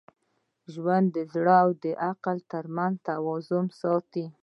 ژوندي د زړه او عقل تر منځ توازن ساتي